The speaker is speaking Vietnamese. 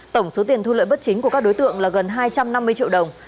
tổng số tiền thu lợi bất chính của các đối tượng là gần hai trăm năm mươi triệu đồng